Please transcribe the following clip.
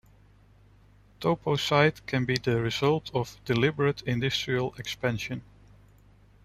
Topocide can be the result of deliberate industrial expansion.